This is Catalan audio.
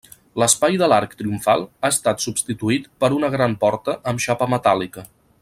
L'espai de l'arc triomfal ha estat substituït per una gran porta amb xapa metàl·lica.